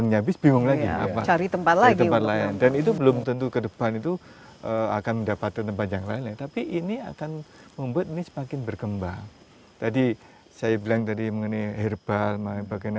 jadi sudah ada kesadaran